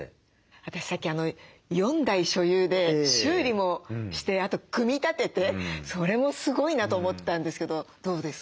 私さっき４台所有で修理もしてあと組み立ててそれもすごいなと思ったんですけどどうですか？